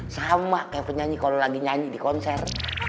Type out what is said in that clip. sama kayak penyanyi kalau lagi nyanyi di konser